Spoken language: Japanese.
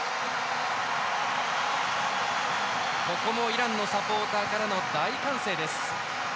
イランのサポーターからの大歓声です。